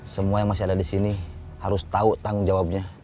semua yang masih ada disini harus tau tanggung jawabnya